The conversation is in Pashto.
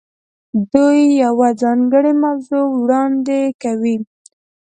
دوی یوه ځانګړې موضوع وړاندې کوي.